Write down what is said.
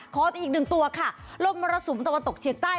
อีกหนึ่งตัวค่ะลมมรสุมตะวันตกเฉียงใต้